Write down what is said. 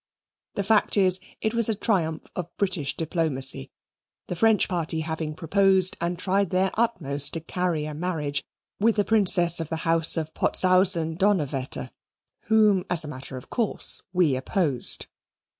The fact is, it was a triumph of British diplomacy, the French party having proposed and tried their utmost to carry a marriage with a Princess of the House of Potztausend Donnerwetter, whom, as a matter of course, we opposed.